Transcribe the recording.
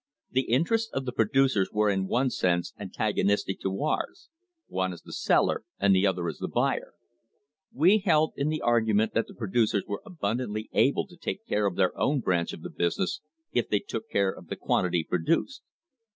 "The interests of the producers were in one sense antagonistic to ours: one as the seller and the other as the buyer. We held in argument that the producers were abundantly able to take care of their own branch of the business if they took care of the quantity produced."